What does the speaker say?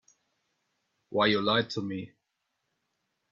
Why, you lied to me.